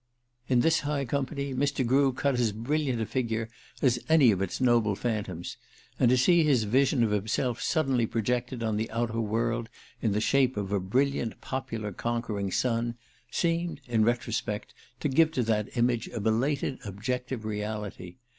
In this high company Mr. Grew cut as brilliant a figure as any of its noble phantoms; and to see his vision of himself suddenly projected on the outer world in the shape of a brilliant popular conquering son, seemed, in retrospect, to give to that image a belated objective reality.